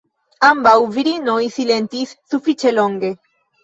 Ambaŭ virinoj silentis sufiĉe longe.